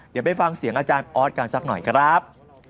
เดี๋ยวไปฟังเสียงอาจารย์ออสกันสักหน่อยครับ